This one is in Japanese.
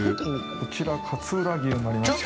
こちら、勝浦牛になります。